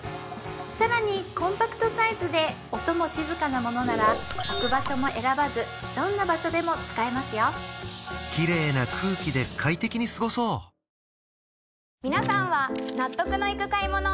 更にコンパクトサイズで音も静かなものなら置く場所も選ばずどんな場所でも使えますよ綺麗な空気で快適に過ごそうやさしいマーン！！